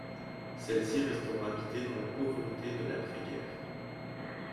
Celles-ci resteront habitées dans la pauvreté de l'après-guerre.